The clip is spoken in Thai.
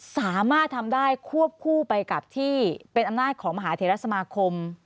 สามารถทำได้ควบคู่ไปกับที่เป็นอำนาจของมหาเทรสมาคม